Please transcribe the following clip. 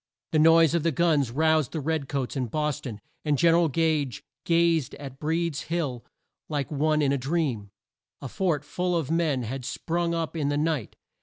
The noise of the guns roused the red coats in Bos ton, and Gen er al Gage gazed at Breed's Hill like one in a dream. A fort full of men had sprung up in the night!